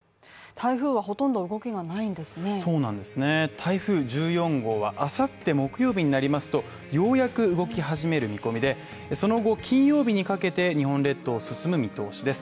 台風１４号はあさって木曜日になりますと、ようやく動き始める見込みでその後、金曜日にかけて日本列島を進む見通しです。